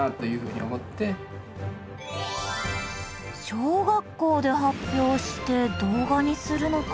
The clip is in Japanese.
小学校で発表して動画にするのか。